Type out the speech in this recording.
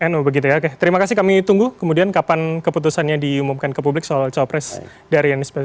nu begitu ya oke terima kasih kami tunggu kemudian kapan keputusannya diumumkan ke publik soal cawapres dari anies baswedan